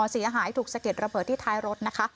เสียหายถูกสะเก็ดระเบิดที่ท้ายรถนะคะ